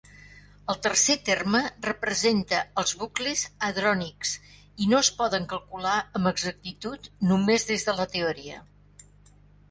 El tercer terme representa els bucles hadrònics, i no es poden calcular amb exactitud només des de la teoria.